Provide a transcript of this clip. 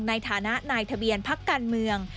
ในฐานะนายทะเบียนพักการเมือง